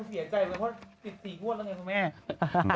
ติดสี่งวดแล้วไงพอแม่